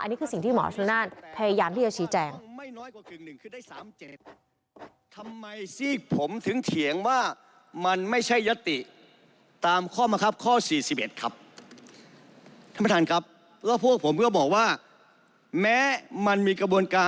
นี่คือสิ่งที่หมอชนนานพยายามที่จะชี้แจง